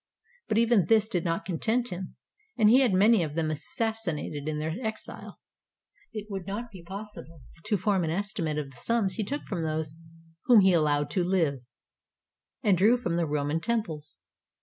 But even this did not con tent him, and he had many of them assassinated in their exile. It would not be possible to form an estimate of the sums he took from those whom he allowed to Uve, and drew from the Roman temples.